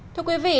thưa quý vị